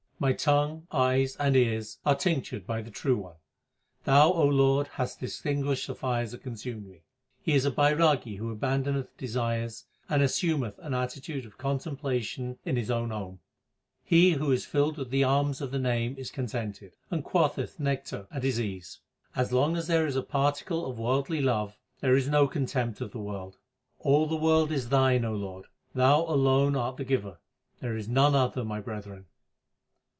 My tongue, eyes, and ears are tinctured by the True One ; Thou, O Lord, hast extinguished the fire that con sumed me. He is a Bairagi who abandoneth desires and assumeth an attitude of contemplation in his own home. He who is filled with the alms of the Name is contented and quaff eth nectar at his ease. As long as there is a particle of worldly love, there is no contempt of the world. All the world is Thine, O Lord ; Thou alone art the Giver ; there is none other, my brethren.